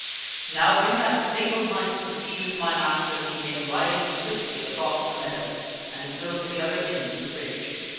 " Now when that Sable Knight perceived my master he came riding swiftly across the meadow and so to the other end of the bridge.